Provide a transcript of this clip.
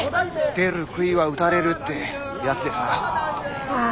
「出る杭は打たれる」ってやつでさあ。